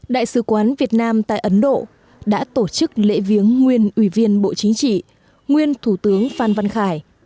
đại sứ quán việt nam tại ấn độ đã tổ chức lễ viếng nguyên ủy viên bộ chính trị nguyên thủ tướng phan văn khải